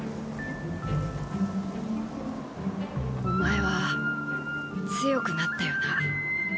お前は強くなったよな。